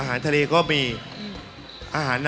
มาเยือนทินกระวีและสวัสดี